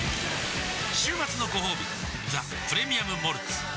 週末のごほうび「ザ・プレミアム・モルツ」わぁ！